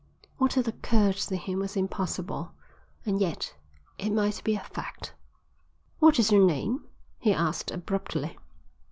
What had occurred to him was impossible, and yet it might be a fact. "What is your name?" he asked abruptly.